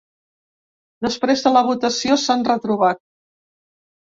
Després de la votació s’han retrobat.